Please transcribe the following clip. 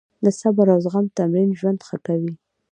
د صبر او زغم تمرین ژوند ښه کوي.